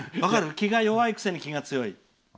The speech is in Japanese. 気が弱いくせに気が強い。